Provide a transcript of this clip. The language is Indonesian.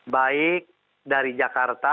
baik dari jakarta